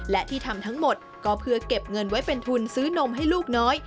และที่ทำทั้งหมดก็เพื่อเก็บเงินไว้เป็นทุนซื้อนมให้ลูกน้อย